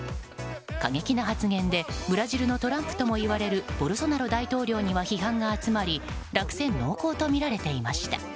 過激な発言でブラジルのトランプともいわれるボルソナロ大統領には批判が集まり落選濃厚とみられていました。